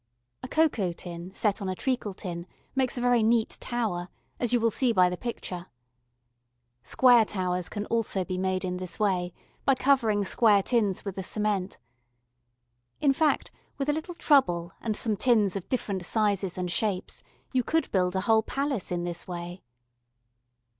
A cocoa tin set on a treacle tin makes a very neat tower, as you will see by the picture. Square towers can also be made in this way, by covering square tins with the cement. In fact, with a little trouble and some tins of different sizes and shapes you could build a whole palace in this way.